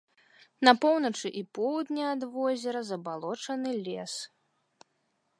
На поўначы і поўдні ад возера забалочаны лес.